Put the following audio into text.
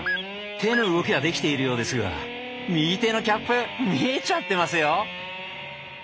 手の動きはできているようですが右手のキャップ見えちゃってますよ！